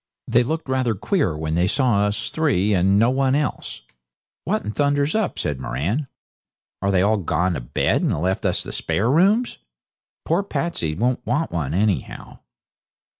They looked rather queer when they saw us three and no one else. 'What in thunder's up?' says Moran. 'Are they all gone to bed, and left us the spare rooms? Poor Patsey won't want one, anyhow.'